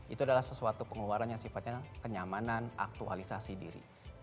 itu adalah sesuatu pengeluaran yang sifatnya kenyamanan aktualisasi diri